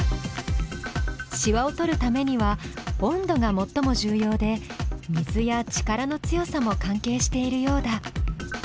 しわを取るためには温度が最も重要で水や力の強さも関係しているようだ。